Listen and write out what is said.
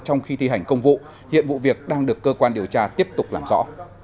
trong khi thi hành công vụ hiện vụ việc đang được cơ quan điều tra tiếp tục làm rõ